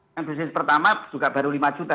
yang dosis pertama juga baru lima juta